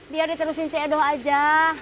biar diterusin c edo aja